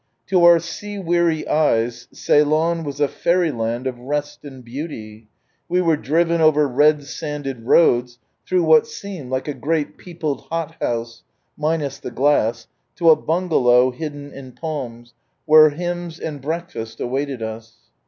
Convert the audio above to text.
To our sea weary eyes, Ceylon was a fairy land of rest and beauty. We were driven over red sanded roads, through what seemed like a great peopled hothouse, minus the glass, to a Bungalow hidden in palms, where hymns and breakfast raited us.